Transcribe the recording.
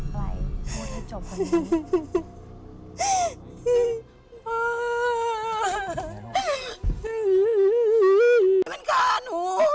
มันกล้าหนู